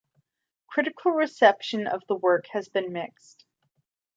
Critical reception of the work has been mixed.